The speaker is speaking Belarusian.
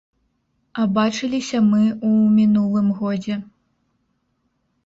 А бачыліся мы ў мінулым годзе.